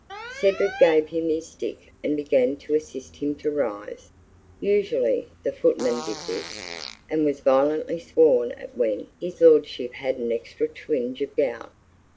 Cedric gave him his stick and began to assist him to rise. Usually, the footman did this, and was violently sworn at when his lordship had an extra twinge of gout.